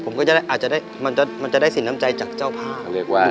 มันจะได้สินทรัพย์ใจจากเจ้าพา